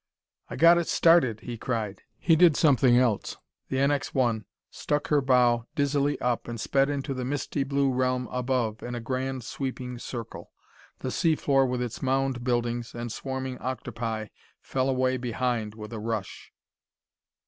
"I got it started!" he cried. He did something else. The NX 1 stuck her bow dizzily up and sped into the misty blue realm above in a grand, sweeping circle. The sea floor with its mound buildings and swarming octopi fell away behind with a rush.